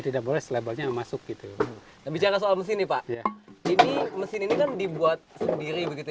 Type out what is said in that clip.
tidak boleh selabelnya masuk gitu bicara soal mesin nih pak ini mesin ini kan dibuat sendiri begitu